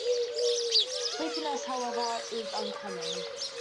Sleepiness however, is uncommon.